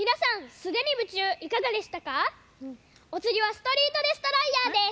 おつぎは「ストリート・デストロイヤー」です！